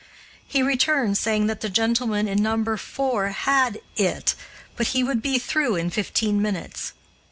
He returned saying that the gentleman in No. 4 had "it," but he would be through in fifteen minutes.